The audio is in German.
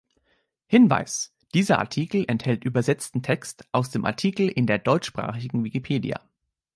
„Hinweis: Dieser Artikel enthält übersetzten Text aus dem Artikel in der deutschsprachigen Wikipedia.“